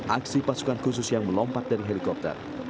aksi pasukan khusus yang melompat dari helikopter